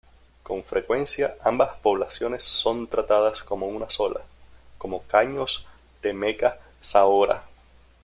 Con frecuencia, ambas poblaciones son tratadas como una sola, como Caños de Meca-Zahora.